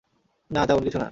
না, তেমন কিছু না।